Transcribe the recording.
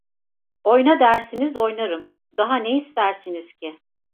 Oyna dersiniz oynarım… Daha ne istersiniz ki?